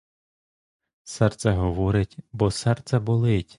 Серце говорить, бо серце болить.